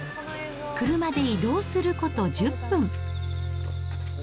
車で移動すること１０分。